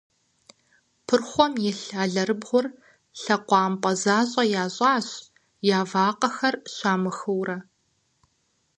Пырхъуэм илъ алэрыбгъур лъэкъуампӏэ защӏэ ящӏащ, я вакъэхэр щамыхыурэ.